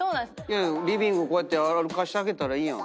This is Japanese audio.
リビングこうやって歩かせてあげたらいいやん。